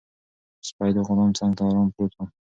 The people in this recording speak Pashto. سپی د غلام څنګ ته ارام پروت و.